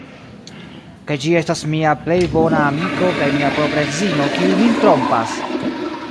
Kaj ĝi estas mia plej bona amiko kaj mia propra edzino, kiuj min trompas!